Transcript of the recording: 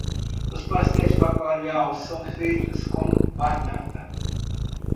Os pastéis de bacalhau são feitos com batata.